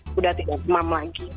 sudah tidak temam lagi